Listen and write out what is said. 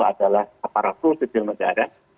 adalah aparatus di belah negara